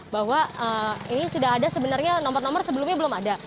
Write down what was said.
bahwa ini sudah ada sebenarnya nomor nomor sebelumnya belum ada